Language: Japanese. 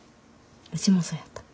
うちもそやった。